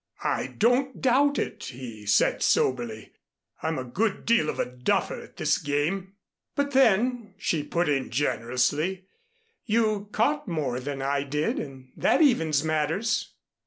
"I don't doubt it," he said soberly. "I'm a good deal of a duffer at this game." "But then," she put in generously, "you caught more than I did, and that evens matters."